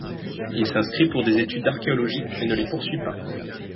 Il s'inscrit pour des études d'archéologie mais ne les poursuit pas.